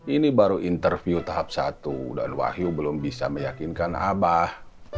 ini baru interview tahap satu dan wahyu belum bisa meyakinkan abah